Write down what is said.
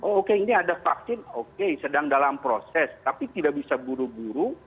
oke ini ada vaksin oke sedang dalam proses tapi tidak bisa buru buru